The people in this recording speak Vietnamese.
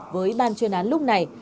với ban chuyên án lúc này